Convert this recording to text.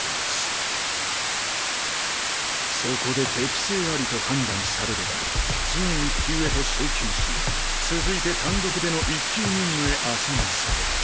パチッそこで適正ありと判断されれば準１級へと昇級し続いて単独での１級任務へアサインされる。